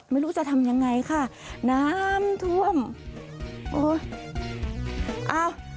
ไม่รู้จะทำยังไงค่ะน้ำท่วมโอ้ยอ้าว